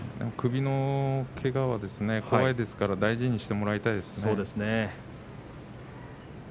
首のけがは怖いですから大事にしてもらいたいですね。